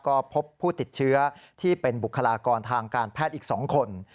ก็พบผู้ติดเชื้อที่เป็นบุคลากรทางการแพทย์อีก๒คน